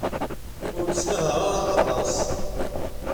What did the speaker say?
Ur nettenhaṛ ara aṭas.